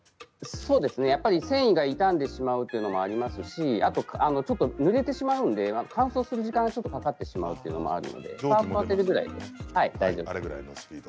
そうですね、繊維が傷むということもそうですしちょっとぬれてしまうので乾燥する時間がかかってしまうということもあるのでさっと当てるくらいで大丈夫です。